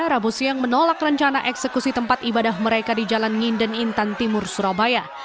rabu siang menolak rencana eksekusi tempat ibadah mereka di jalan nginden intan timur surabaya